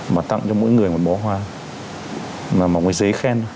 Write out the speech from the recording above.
mà tặng cho mỗi người một bó hoa một giấy khen